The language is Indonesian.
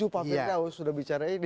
dua ribu tujuh pak firdaus sudah bicara ini